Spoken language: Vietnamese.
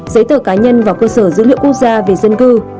giấy tờ cá nhân vào cơ sở dữ liệu quốc gia về dân cư